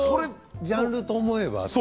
ジャンルと思えば。